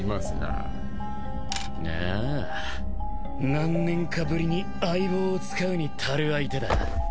何年かぶりに相棒を使うに足る相手だ。